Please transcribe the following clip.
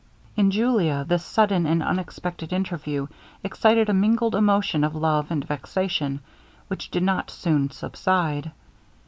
In Julia this sudden and unexpected interview excited a mingled emotion of love and vexation, which did not soon subside.